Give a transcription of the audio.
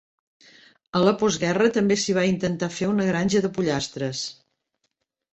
A la postguerra també s'hi va intentar fer una granja de pollastres.